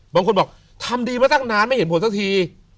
บางคนบอกทำดีมาตั้งนานไม่เห็นผลสักที